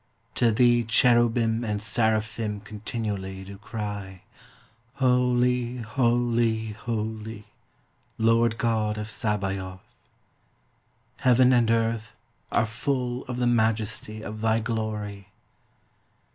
To thee Cherubim and Seraphim continually do cry, Holy, Holy, Holy, Lord God of Sabaoth; Heaven and earth are full of the Majesty of thy Glory.